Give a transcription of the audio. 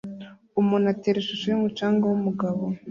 umuntu atera ishusho yumucanga wumugabo